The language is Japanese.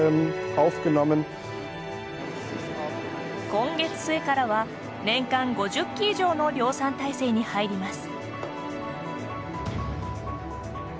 今月末からは年間５０機以上の量産体制に入ります。